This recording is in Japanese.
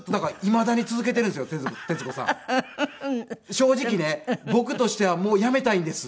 正直ね僕としてはもうやめたいんです。